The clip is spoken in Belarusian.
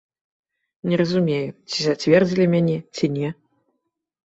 Не разумею, ці зацвердзілі мяне, ці не.